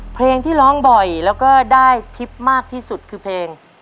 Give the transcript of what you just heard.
เพลงที่ร้องบ่อยแล้วก็ได้ทริปมากที่สุดคือเพลง